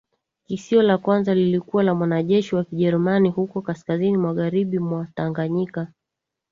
Kisio la kwanza lilikuwa la mwanajeshi wa Kijerumani huko kaskazini magharibi mwa Tanganyika